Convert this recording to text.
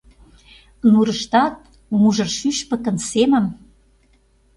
Нурыштат мужыр шӱшпыкын семым?..